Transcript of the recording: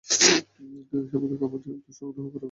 সামান্য খাবার, অথচ কী আগ্রহ করেই-না খায়!